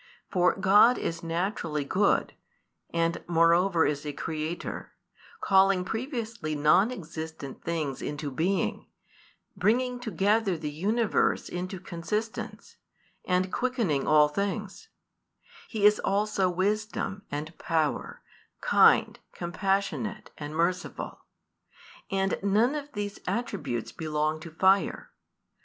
For God is naturally good, and moreover is a Creator, calling previously non existent things into being, bringing together the universe into consistence, and quickening all things: He is also Wisdom and Power, kind, compassionate, and merciful. And none of these attributes belong to fire.